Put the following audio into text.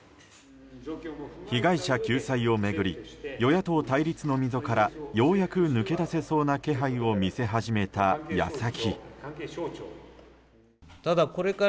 被害者救済を巡り与野党対立の溝からようやく抜け出せそうな気配を見せ始めた矢先。